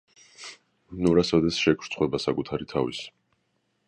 "ნურასოდეს შეგრცხვება საკუთარი თავის"